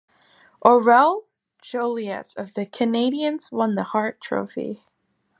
Aurel Joliat of the Canadiens won the Hart Trophy.